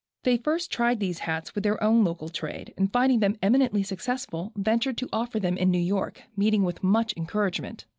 They first tried these hats with their own local trade, and finding them eminently successful, ventured to offer them in New York, meeting with much encouragement.